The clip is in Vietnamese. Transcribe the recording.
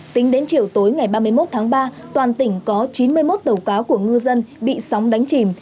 tính đến chiều tối ngày ba mươi một tháng ba toàn tỉnh có chín mươi một tàu cá của ngư dân bị sóng đánh chìm